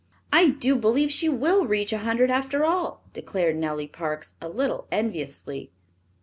"I do believe she will reach a hundred after all," declared Nellie Parks, a little enviously.